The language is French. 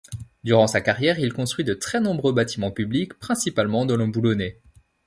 Durant sa carrière, il construit de très nombreux bâtiments publics principalement dans le boulonnais.